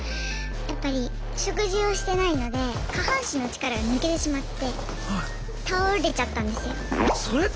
やっぱり食事をしてないので下半身の力が抜けてしまって倒れちゃったんですよ。